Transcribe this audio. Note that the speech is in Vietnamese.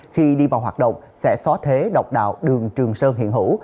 khi đi vào hoạt động sẽ xóa thế độc đạo đường trường sơn hiện hữu